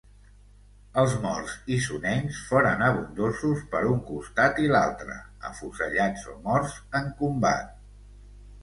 Els morts isonencs foren abundosos, per un costat i l'altre, afusellats o morts en combat.